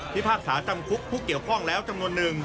พากษาจำคุกผู้เกี่ยวข้องแล้วจำนวนหนึ่ง